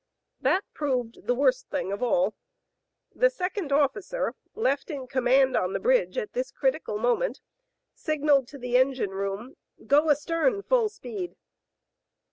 That proved the worst thing of all. The sec ond officer, left in command on the bridge at this critical moment, signaled to the engine room, Go astern full speed."